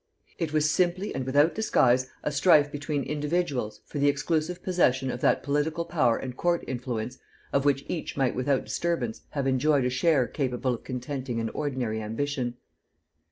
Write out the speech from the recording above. It was simply and without disguise a strife between individuals, for the exclusive possession of that political power and court influence of which each might without disturbance have enjoyed a share capable of contenting an ordinary ambition.